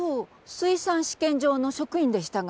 水産試験場の職員でしたが。